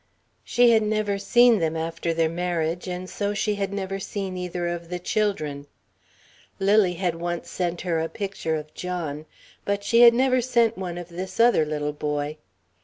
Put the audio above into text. She had never seen them after their marriage, and so she had never seen either of the children. Lily had once sent her a picture of John, but she had never sent one of this other little boy.